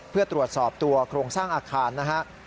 เพื่อตรวจสอบตัวโครงสร้างอาคารนะฮะ